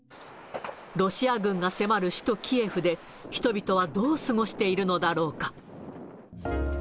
ロシア軍が迫る首都キエフで、人々はどう過ごしているのだろうか。